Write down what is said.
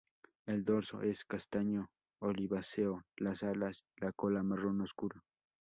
El dorso es castaño oliváceo, las alas y la cola marrón oscuro.